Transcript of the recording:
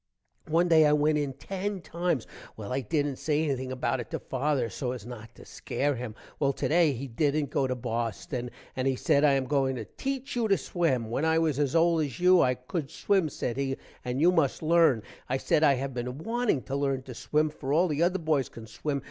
one day i went in 10 times. well i dident say anything about it to father so as not to scare him. well today he dident go to Boston and he said i am going to teech you to swim. when i was as old as you i cood swim said he, and you must lern, i said i have been wanting to lern to swim, for all the other boys can swim.